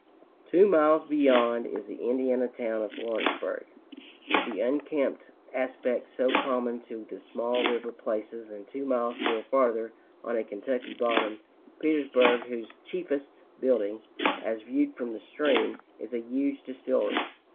Two miles beyond, is the Indiana town of Lawrenceburg, with the unkempt aspect so common to the small river places; and two miles still farther, on a Kentucky bottom, Petersburg, whose chiefest building, as viewed from the stream, is a huge distillery.